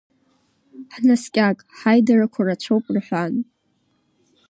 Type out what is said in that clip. Ҳнаскьаг, ҳаидарақәа рацәоуп рҳәан.